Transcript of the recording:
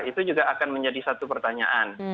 itu juga akan menjadi satu pertanyaan